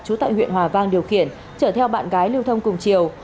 trú tại huyện hòa vang điều khiển chở theo bạn gái lưu thông cùng chiều